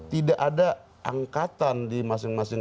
tidak ada angkatan di masing masing